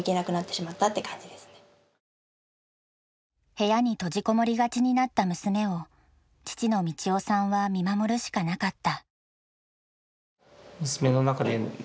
部屋に閉じこもりがちになった娘を父の路夫さんは見守るしかなかった。